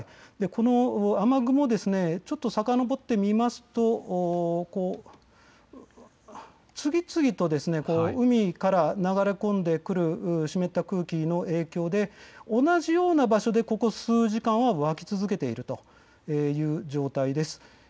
この雨雲を少しさかのぼってみますと次々と海から流れ込んでくる湿った空気の影響で同じような場所でここ数時間は湧き続けているという状況です。